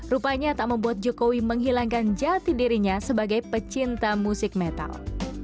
rupanya tak membuat jokowi menghilangkan jati dirinya sebagai pecinta musik metal